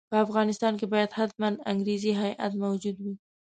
په افغانستان کې باید حتماً انګریزي هیات موجود وي.